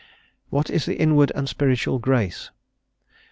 "What is the inward and spiritual grace?